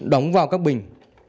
để đóng vào các bình